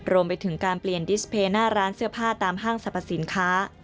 รวมไปถึงการเปลี่ยนดิสเพย์หน้าร้านเสื้อผ้าตามห้างสรรพสินค้า